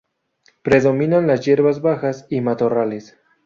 Predominan las hierbas bajas y matorrales.